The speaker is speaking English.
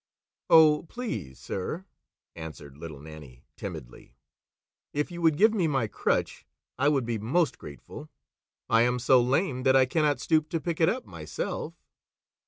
"Oh, please, sir," answered Little Nannie timidly, "if you would give me my crutch, I would be most grateful. I am so lame that I cannot stoop to pick it up myself."